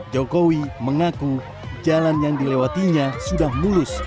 jokowi mengaku jalan yang dilewatinya sudah mulus